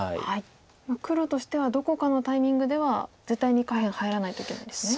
黒としてはどこかのタイミングでは絶対に下辺入らないといけないんですね。